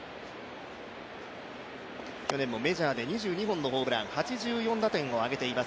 去年もメジャーで２２本のホームラン、８４打点を挙げています